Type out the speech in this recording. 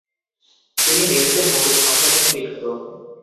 তিনি মের্সেন মৌলিক সংখ্যার জন্য বিখ্যাত।